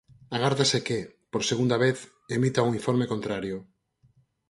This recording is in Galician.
Agárdase que, por segunda vez, emita un informe contrario.